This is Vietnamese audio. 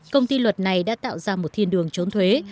công ty luật này đã tạo ra một thiên đường trốn thuế